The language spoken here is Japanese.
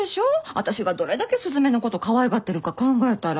私がどれだけ雀のことかわいがってるか考えたら。